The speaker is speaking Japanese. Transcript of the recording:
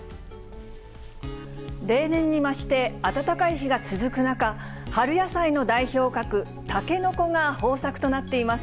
例年に増して、暖かい日が続く中、春野菜の代表格、タケノコが豊作となっています。